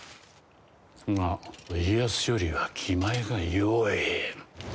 が家康よりは気前がよい。